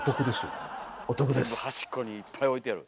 全部端っこにいっぱい置いてある。